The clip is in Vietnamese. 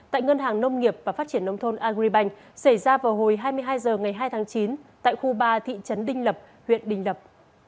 tại ngân hàng nông nghiệp và phát triển nông thôn agribank xảy ra vào hồi hai mươi hai h ngày hai tháng chín tại khu ba thị trấn đinh lập huyện đình lập